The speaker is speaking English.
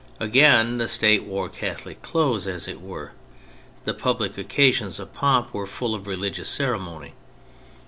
Again, the State wore Catholic clothes, as it were : the public occasions of pomp were full of religious ceremony.